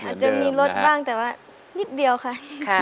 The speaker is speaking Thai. อาจจะมีรถบ้างแต่ว่านิดเดียวค่ะ